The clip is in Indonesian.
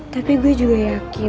tapi gue juga yakin